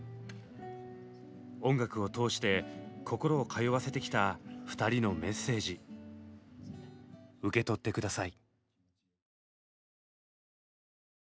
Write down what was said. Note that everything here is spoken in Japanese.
音楽を通して心を通わせてきた２人のメッセージ受け取って下さい。